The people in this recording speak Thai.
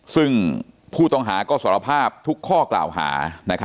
ซึ่งผู้ต้องหาก็สารภาพทุกข้อกล่าวหา